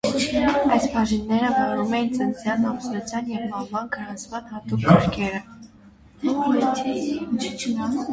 Այս բաժինները վարում էին ծննդյան, ամուսնության և մահվան գրանցման հատուկ գրքեր։